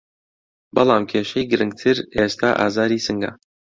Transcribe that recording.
بەڵام کیشەی گرنگتر ئێستا ئازاری سنگه